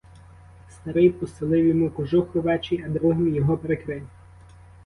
Старий постелив йому кожух овечий, а другим його прикрив.